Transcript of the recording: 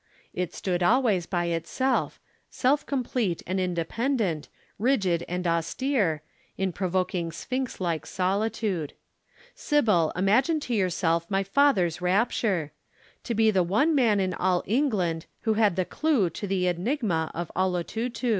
It stood always by itself, self complete and independent, rigid and austere, in provoking sphynx like solitude. Sybil, imagine to yourself my father's rapture! To be the one man in all England who had the clue to the enigma of "Olotutu!"